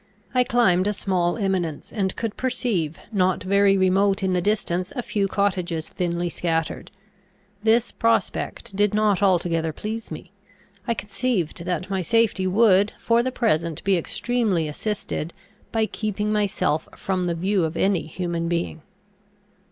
I climbed a small eminence, and could perceive, not very remote in the distance, a few cottages thinly scattered. This prospect did not altogether please me; I conceived that my safety would, for the present, be extremely assisted, by keeping myself from the view of any human being.